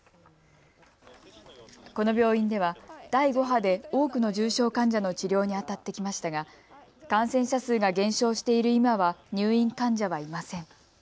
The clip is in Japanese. この病院では第５波で多くの重症患者の治療にあたってきましたが感染者数が減少している今は入院患者はいません。